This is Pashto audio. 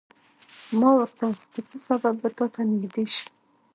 ما ورته په څه سبب به تاته نږدې شم.